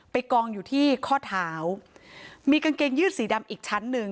กองอยู่ที่ข้อเท้ามีกางเกงยืดสีดำอีกชั้นหนึ่ง